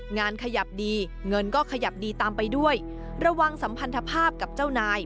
งานขยับดีเงินก็ขยับดีตามไปด้วยระวังสัมพันธภาพกับเจ้านาย